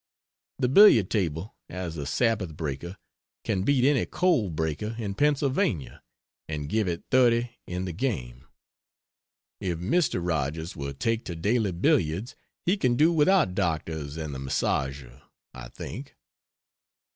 The billiard table, as a Sabbath breaker can beat any coal breaker in Pennsylvania, and give it 30 in, the game. If Mr. Rogers will take to daily billiards he can do without doctors and the massageur, I think.